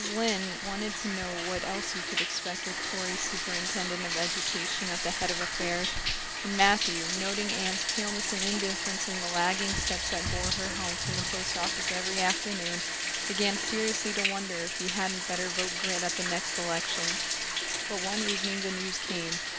Lynde wanted to know what else you could expect with a Tory superintendent of education at the head of affairs, and Matthew, noting Anne's paleness and indifference and the lagging steps that bore her home from the post office every afternoon, began seriously to wonder if he hadn't better vote Grit at the next election. But one evening the news came.